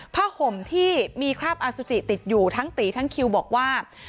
ห่มที่มีคราบอสุจิติดอยู่ทั้งตีทั้งคิวบอกว่า